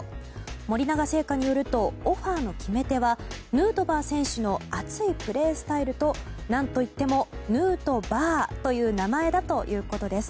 森永製菓によるとオファーの決め手はヌートバー選手の熱いプレースタイルと何といっても「ヌートバー」という名前だということです。